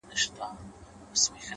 دغه انسان بېشرفي په شرافت کوي”